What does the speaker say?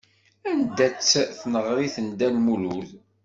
Anda-tt tneɣrit n Dda Ḥemmu?